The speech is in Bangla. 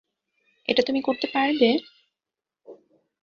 এটা তুমি করতে পারবে?